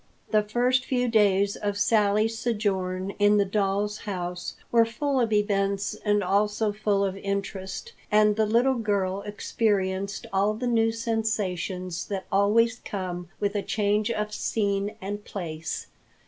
The first few days of Sally's sojourn in the doll's house were full of events and also full of interest, and the little girl experienced all the new sensations that always come with a change of scene and place.